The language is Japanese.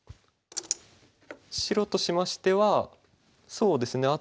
白としましてはそうですね